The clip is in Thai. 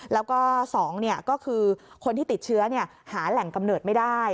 แล้วก็๒ก็คือคนที่ติดเชื้อหาแหล่งกำเนิดไม่ได้